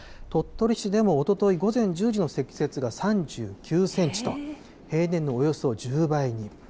鳥取市でもおととい午前１０時の積雪が、３９センチと、平年のおよそ１０倍に。